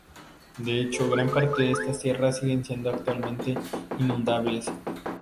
De hecho, gran parte de estas tierras siguen siendo actualmente inundables.